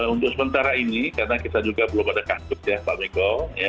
untuk sementara ini karena kita juga belum ada kasus ya pak miko